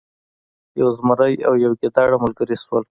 یو زمری او یو ګیدړه ملګري شول.